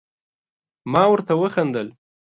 ما ورته وخندل ،